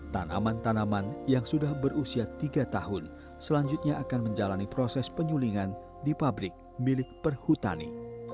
tanaman tanaman yang sudah berusia tiga tahun selanjutnya akan menjalani proses penyulingan di pabrik milik perhutani